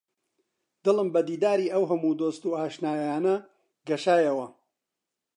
دڵم بە دیداری ئەو هەموو دۆست و ئاشنایانە گەشایەوە